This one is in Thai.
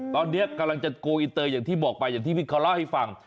ตอนนี้กำลังจะโกลอินเตอร์อย่างที่บอกไปอย่างที่พี่เขาเล่าให้ฟัง